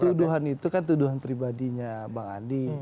tuduhan itu kan tuduhan pribadinya bang andi